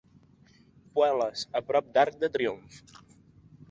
Puel·les, prop de l'Arc de Triomf.